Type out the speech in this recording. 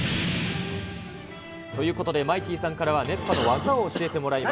ということでマイティーさんからは、熱波の技を教えてもらいます。